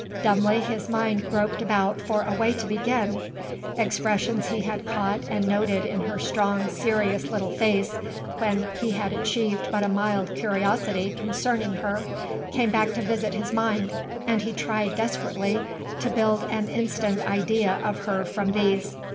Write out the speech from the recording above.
Dumbly his mind groped about for a way to begin. Expressions he had caught and noted in her strong serious little face when he had achieved but a mild curiosity concerning her came back to visit his mind and he tried desperately to build an instant idea of her from these.